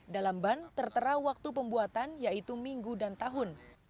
dalam ban tertera waktu pembuatan yaitu minggu dan tahun